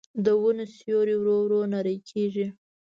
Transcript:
د ونو سیوري ورو ورو نری کېږي